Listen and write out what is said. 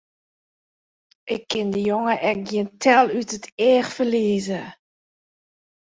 Ik kin dy jonge ek gjin tel út it each ferlieze!